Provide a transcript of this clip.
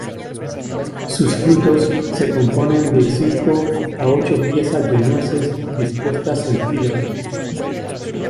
Sus frutos se componen de cinco a ocho piezas de nueces dispuestas en fila.